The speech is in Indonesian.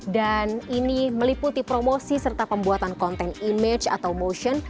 dan ini meliputi promosi serta pembuatan konten image atau motion